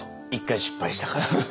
１回失敗したから。